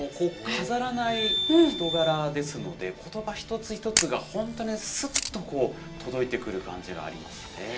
飾らない人柄ですので、ことば一つ一つが本当にすっとこう、届いてくる感じがありますね。